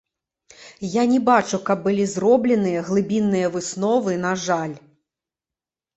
Я не бачу, каб былі зробленыя глыбінныя высновы, на жаль.